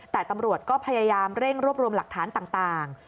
แต่ตำรวจก็พยายามเร่งรวบรวมหลักฐานต่าง